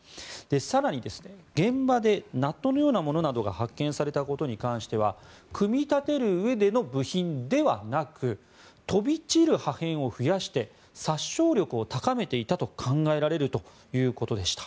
更に、現場でナットのようなものなどが発見されたことに関しては組み立てるうえでの部品ではなく飛び散る破片を増やして殺傷力を高めていたと考えられるということでした。